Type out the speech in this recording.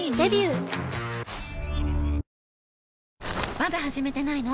まだ始めてないの？